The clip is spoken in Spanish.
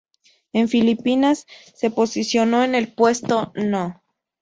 En Filipinas se posicionó en el puesto No.